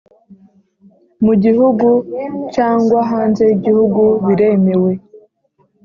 Mu gihugu cyangwa hanze yigihugu biremewe